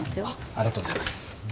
ありがとうございます。